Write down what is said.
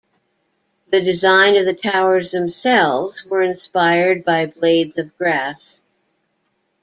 The design of the towers themselves were inspired by blades of grass.